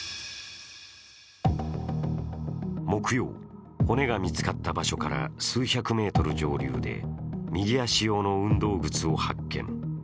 木曜、骨が見つかった場所から数百メートル上流で右足用の運動靴を発見。